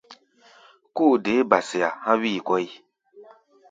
Kóo deé ba-sea há̧ wíi kɔ́ʼi.